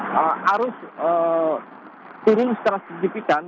kemarin arus turun secara sempat